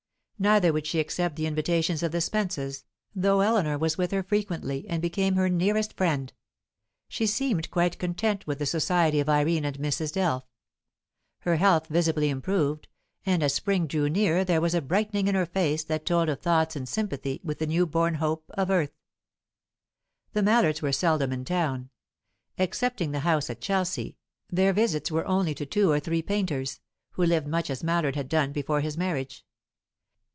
Neither would she accept the invitations of the Spences, though Eleanor was with her frequently, and became her nearest friend. She seemed quite content with the society of Irene and Mrs. Delph; her health visibly improved, and as spring drew near there was a brightening in her face that told of thoughts in sympathy with the new born hope of earth. The Mallards were seldom in town. Excepting the house at Chelsea, their visits were only to two or three painters, who lived much as Mallard had done before his marriage.